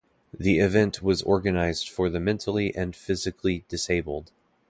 The event was organized for the mentally and physically disabled.